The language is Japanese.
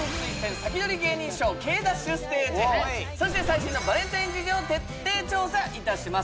サキドリ芸人ＳＨＯＷケイダッシュステージ編そして最新のバレンタイン事情を徹底調査いたします